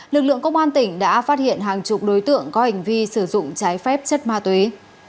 lực lượng công an tỉnh đã phát hiện hàng chục đối tượng có hành vi sử dụng trái phép chất ma túy